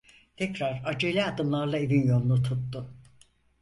Tekrar acele adımlarla evin yolunu tuttu.